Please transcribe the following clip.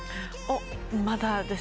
まだです。